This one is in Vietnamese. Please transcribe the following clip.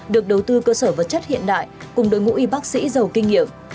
được đầu tư cơ sở vật chất hiện đại cùng đội ngũ y bác sĩ giàu kinh nghiệm